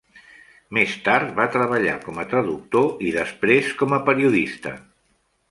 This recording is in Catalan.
Més tard va treballar com a traductor i després com a periodista.